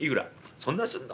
そんなすんの？